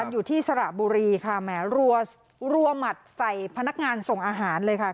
อยู่ที่สระบุรีค่ะแหมรัวหมัดใส่พนักงานส่งอาหารเลยค่ะ